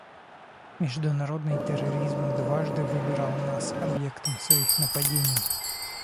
Международный терроризм дважды выбирал нас объектом своих нападений.